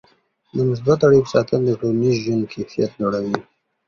د مثبتو اړیکو ساتل د ټولنیز ژوند کیفیت لوړوي.